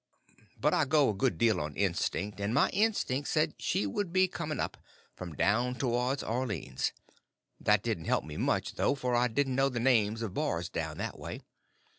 But I go a good deal on instinct; and my instinct said she would be coming up—from down towards Orleans. That didn't help me much, though; for I didn't know the names of bars down that way.